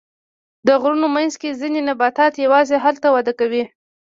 د غرونو منځ کې ځینې نباتات یوازې هلته وده کوي.